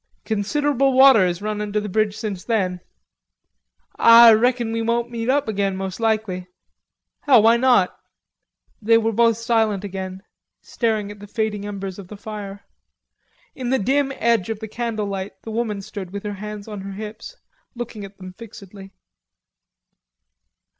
"Considerable water has run under the bridge since then." "Ah reckon we won't meet up again, mos' likely." "Hell, why not?" They were silent again, staring at the fading embers of the fire. In the dim edge of the candlelight the woman stood with her hands on her hips, looking at them fixedly.